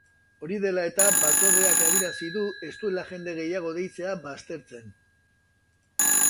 Hori dela eta, batzordeak adierazi du ez duela jende gehiago deitzea baztertzen.